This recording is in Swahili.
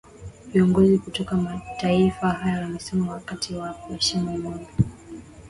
viongozi kutoka mataifa hayo wamesema wakti wa kuheshimu maamuzi ya mkutano kioto